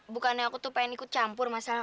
bukannya aku tuh pengen ikut campur masalah